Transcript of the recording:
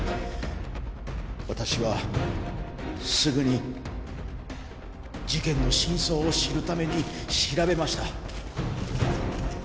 私はすぐに事件の真相を知るために調べました。